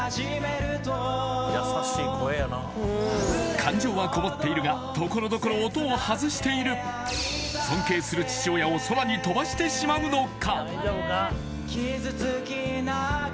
感情はこもっているが所々音を外している尊敬する父親を空に飛ばしてしまうのか？